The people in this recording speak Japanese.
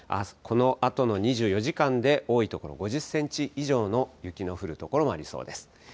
このあとの２４時間で、多い所、５０センチ以上の雪の降る所もありそうです。